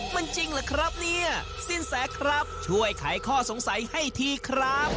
มันจริงเหรอครับเนี่ยสินแสครับช่วยขายข้อสงสัยให้ทีครับ